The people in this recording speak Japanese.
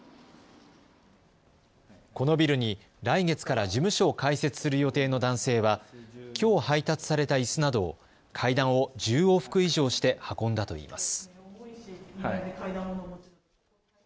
このビルに来月から事務所を開設する予定の男性はきょう配達されたいすなどを階段を１０往復以上して運んだといいます。